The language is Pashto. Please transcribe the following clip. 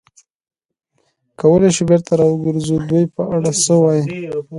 کولای شو بېرته را وګرځو، د دوی په اړه څه وایې؟